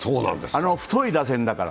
太い打線だから。